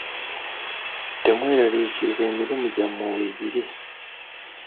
Temweraliikirira emirimu gyammwe weegiri.